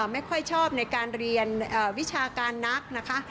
ไม่ค่อยชอบในการเรียนวิชาการนักนะคะ